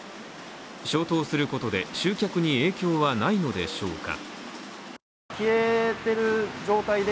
消灯することで集客に影響はないのでしょうか。